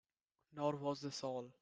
Nor was this all.